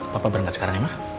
bapak berangkat sekarang ya mah